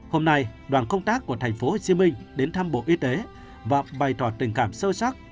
hôm nay đoàn công tác của tp hcm đến thăm bộ y tế và bày tỏ tình cảm sâu sắc